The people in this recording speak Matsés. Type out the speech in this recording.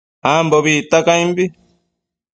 Ambobi icta caimbi